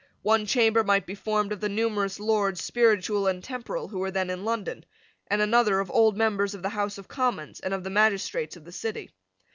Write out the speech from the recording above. One Chamber might be formed of the numerous Lords Spiritual and Temporal who were then in London, and another of old members of the House of Commons and of the magistrates of the City.